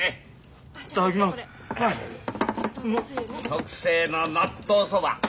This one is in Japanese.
特製の納豆そば。